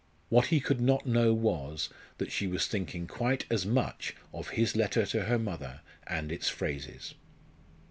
What he could not know was, that she was thinking quite as much of his letter to her mother and its phrases.